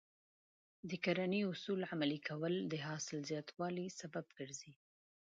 د کرنې اصول عملي کول د حاصل زیاتوالي سبب کېږي.